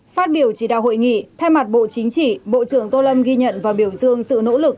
phát biểu chỉ đạo hội nghị thay mặt bộ chính trị bộ trưởng tô lâm ghi nhận và biểu dương sự nỗ lực